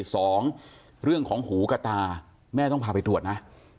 สองเรื่องของหูกระตาแม่ต้องพาไปตรวจนะ